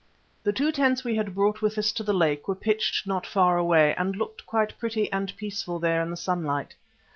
The two tents we had brought with us to the lake were pitched not far away and looked quite pretty and peaceful there in the sunlight.